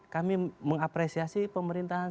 kami mengapresiasi pemerintahan